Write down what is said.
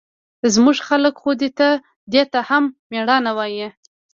زموږ خلق خو دې ته هم مېړانه وايي.